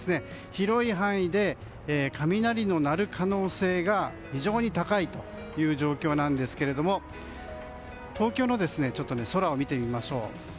広い範囲で雷の鳴る可能性が非常に高いという状況なんですが東京の空を見てみましょう。